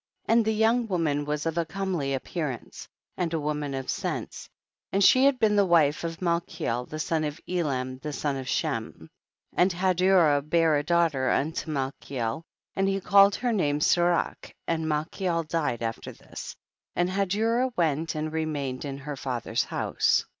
14. And the young woman was of a comely appearance, and a woman of sense, and she had been the wife of Malkicl the son of Elam, the son of Shem. 15. And Hadurah bare a daughter unto Malkiel, and he called her name Serach, and Malkiel died after this, and Hadurah went and remained in her father's house.